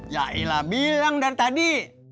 yailah bilang dari tadi